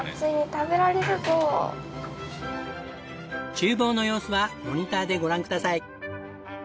厨房の様子はモニターでご覧ください。